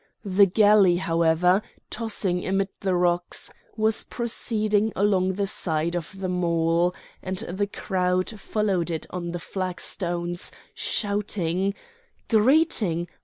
The galley, however, tossing amid the rocks, was proceeding along the side of the mole, and the crowd followed it on the flag stones, shouting: "Greeting!